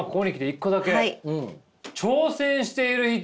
「挑戦している人」！